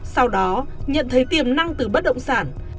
sau đó nhận thấy tiềm năng từ bất động sản